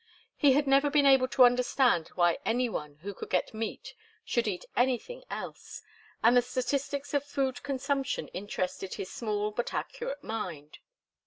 He had never been able to understand why any one who could get meat should eat anything else, and the statistics of food consumption interested his small but accurate mind.